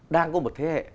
đang có một thế hệ